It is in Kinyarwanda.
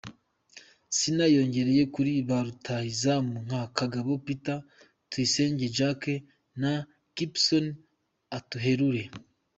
Sina yiyongereye kuri ba rutahizamu nka Kagabo Peter, Tuyisenge Jacques na Kipson Atuheire.